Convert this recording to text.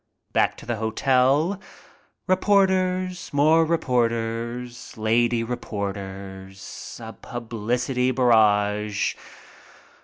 Back to the hotel. Reporters. More reporters. Lady reporters. A publicity barrage.